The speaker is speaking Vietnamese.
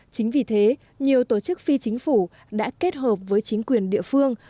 chính vì thế nhiều tổ chức phi chính phủ đã kết hợp với chính quyền địa phương